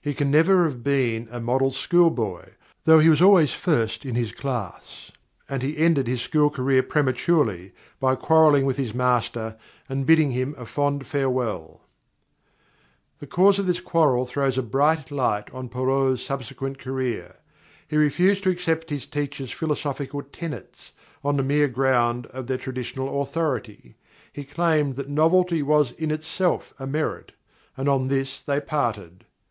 He can never have been a model schoolboy, though he was always first in his class, and he ended his school career prematurely by quarrelling with his master and bidding him a formal farewell._ _The cause of this quarrel throws a bright light on Perraults subsequent career. He refused to accept his teacher's philosophical tenets on the mere ground of their traditional authority. He claimed that novelty was in itself a merit, and on this they parted.